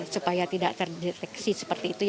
supaya tidak terdeteksi seperti itu